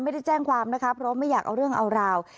ไม่ได้แจ้งความนะคะเพราะไม่อยากเอาเรื่องเอาราว